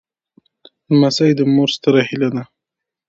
لمسی د مور ستره هيله ده.